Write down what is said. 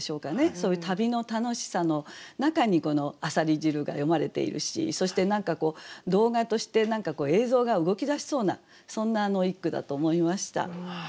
そういう旅の楽しさの中にこの「浅蜊汁」が詠まれているしそして何かこう動画として映像が動き出しそうなそんな一句だと思いました。